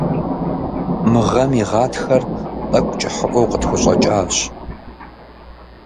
Мы гъэм и гъатхэр тӀэкӀу кӀыхьыӀуэу къытхущӀэкӀащ.